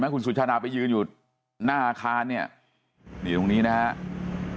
คุณสุชาดาไปยืนอยู่หน้าอาคารเนี่ยนี่ตรงนี้นะครับ